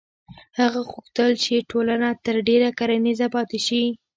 هغه غوښتل چې ټولنه تر ډېره کرنیزه پاتې شي.